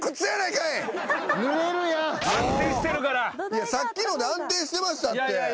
いやさっきので安定してましたって。